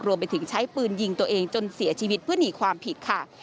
ไปถึงใช้ปืนยิงตัวเองจนเสียชีวิตเพื่อหนีความผิดค่ะ